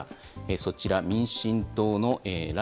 そちら、民進党の頼